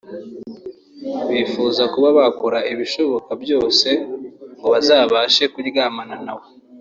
bakifuza kuba bakora ibishoboka byose ngo bazabashe kuryamana nawe